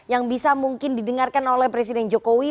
yang bisa mungkin didengarkan oleh presiden jokowi